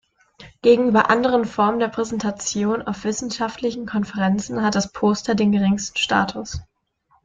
Gegenüber anderen Formen der Präsentation auf wissenschaftlichen Konferenzen hat das Poster den geringsten Status.